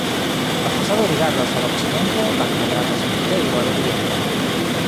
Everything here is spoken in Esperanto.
La fasado rigardas al okcidento, la kvadrata sanktejo al oriento.